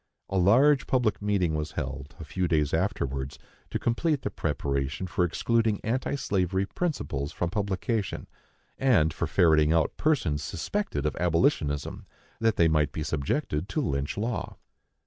A large public meeting was held, a few days afterwards, to complete the preparation for excluding anti slavery principles from publication, and for ferreting out persons suspected of abolitionism, that they might be subjected to Lynch law.